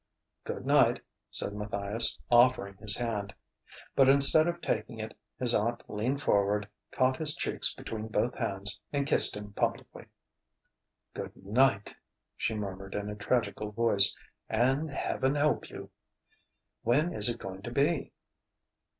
"Good night," said Matthias, offering his hand. But instead of taking it, his aunt leaned forward, caught his cheeks between both hands, and kissed him publicly. "Good night," she murmured in a tragical voice. "And Heaven help you!... When is it going to be?"